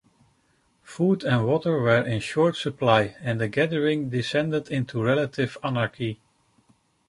Food and water were in short supply, and the gathering descended into relative anarchy.